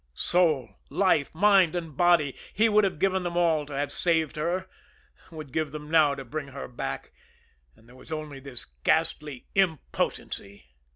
Soul, life, mind and body, he would have given them all to have saved her would give them now to bring her back and there was only this ghastly impotency.